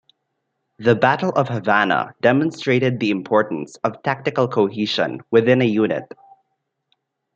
The Battle of Havana demonstrated the importance of tactical cohesion within a unit.